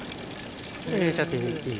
入れちゃっていい。